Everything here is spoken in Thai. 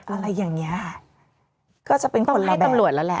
อะไรอย่างนี้ก็จะเป็นคนละแบบต้องให้ตำรวจแล้วแหละ